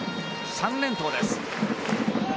３連投です。